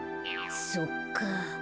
そっか。